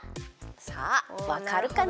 さあわかるかな？